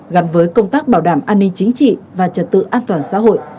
gắn với công tác bảo đảm an ninh chính trị và trật tự an toàn xã hội